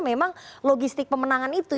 memang logistik pemenangan itu